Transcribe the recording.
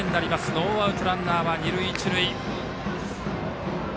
ノーアウトランナー、一塁二塁。